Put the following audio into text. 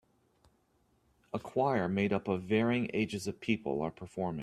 A choir made up of varying ages of people are performing.